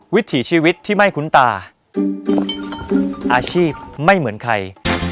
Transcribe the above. วิถีชีวิตที่ไม่คุ้นตาอาชีพไม่เหมือนใคร